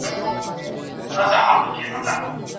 په لویه جرګه کي د پوهنې د چټک پرمختګ له پاره څه پلانونه دي؟